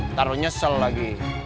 ntar lu nyesel lagi